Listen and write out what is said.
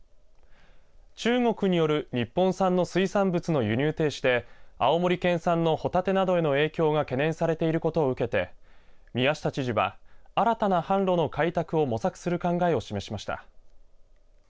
中国による日本産の水産物の輸入停止で青森県産のホタテなどへの影響が懸念されていることを受けて宮下知事は新たな販路の開拓を模索する考えを示しました。